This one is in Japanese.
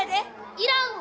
いらんわ！